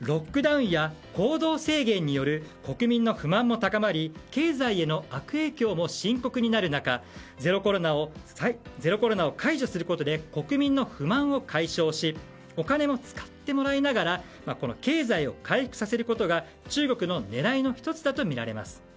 ロックダウンや行動制限による国民の不満も高まり経済への悪影響も深刻になる中ゼロコロナを解除することで国民の不満を解消しお金も使ってもらいながら経済を回復させることが中国の狙いの１つだとみられます。